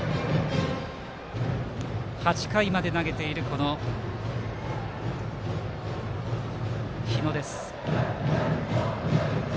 ８回まで投げている日野です。